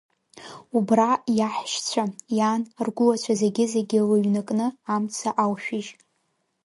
Убра иаҳәшьцәа, иан, ргәылацәа зегьы-зегьы лыҩнакны амца аушәыжь.